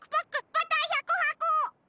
バター１００はこ。